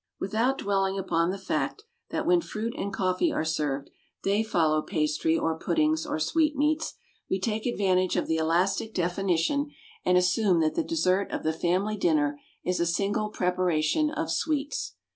Without dwelling upon the fact that when fruit and coffee are served they follow pastry or puddings or sweetmeats, we take advantage of the elastic definition and assume that the dessert of the family dinner is a single preparation of "sweets."